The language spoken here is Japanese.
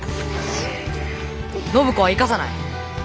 暢子は行かさない。